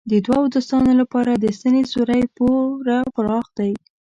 د دوو دوستانو لپاره د ستنې سوری پوره پراخ دی.